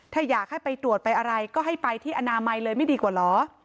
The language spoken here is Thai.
ถ้าอยากให้ไปตรวจไปอะไรก็ให้ไปที่อนามัยเลยไม่ดีกว่าเหรอ